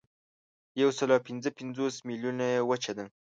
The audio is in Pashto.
یوسلاوپینځهپنځوس میلیونه یې وچه ده.